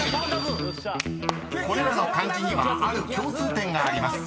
［これらの漢字にはある共通点があります］